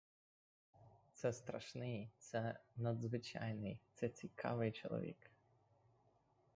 Це страшний, це надзвичайний, це цікавий чоловік!